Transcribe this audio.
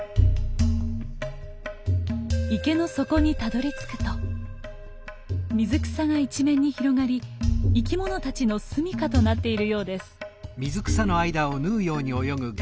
池の底にたどりつくと水草が一面に広がり生き物たちのすみかとなっているようです。